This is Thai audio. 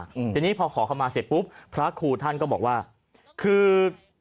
อืมทีนี้พอขอเข้ามาเสร็จปุ๊บพระครูท่านก็บอกว่าคือ